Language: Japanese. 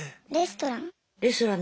レストラン。